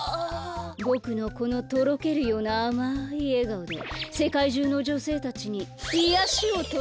ぼくのこのとろけるようなあまいえがおでせかいじゅうのじょせいたちにいやしをとどけてあげよう。